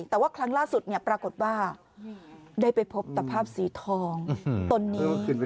แต่ว่าครั้งล่าสุดปรากฏว่าได้ไปพบตะภาพสีทองตนนี้